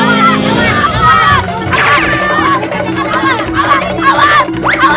ari beau coba